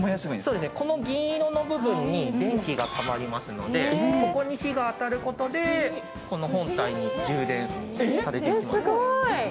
この銀色の部分に電気がたまりますので、ここに火が当たることで本体に充電されていきます。